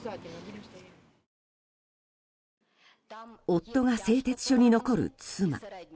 夫が製鉄所に残る妻。